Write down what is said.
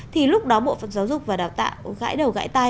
thì lúc đó bộ phận giáo dục và đào tạo gãi đầu gãi tay